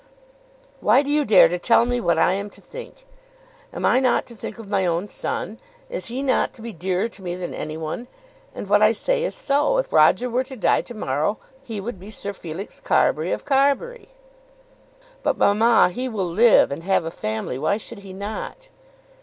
"Why do you dare to tell me what I am to think? Am I not to think of my own son? Is he not to be dearer to me than any one? And what I say, is so. If Roger were to die to morrow he would be Sir Felix Carbury of Carbury." "But, mamma, he will live and have a family. Why should he not?"